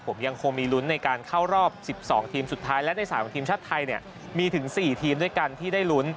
ผมยังคงมีลุ้นในการเข้ารอบ๑๒ทีมสุดท้ายและใน๓ทีมชาติไทยเนี่ยมีถึง๔ทีมด้วยกันที่ได้ลุ้น